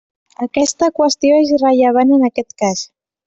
Aquesta qüestió és irrellevant en aquest cas.